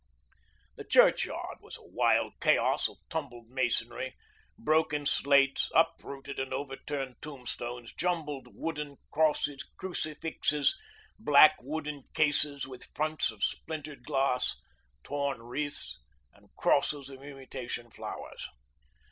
The churchyard was a wild chaos of tumbled masonry, broken slates, uprooted and overturned tombstones, jumbled wooden crosses, crucifixes, black wooden cases with fronts of splintered glass, torn wreaths, and crosses of imitation flowers.